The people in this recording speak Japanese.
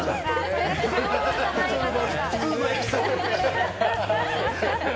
普通のエピソード。